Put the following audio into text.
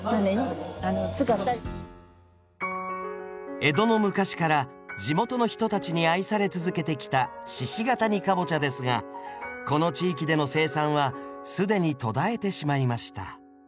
江戸の昔から地元の人たちに愛され続けてきた鹿ケ谷かぼちゃですがこの地域での生産は既に途絶えてしまいました。